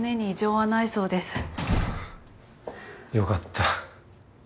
よかった。